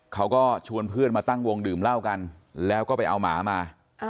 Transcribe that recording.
เขาก็ชวนเพื่อนมาตั้งวงดื่มเหล้ากันแล้วก็ไปเอาหมามา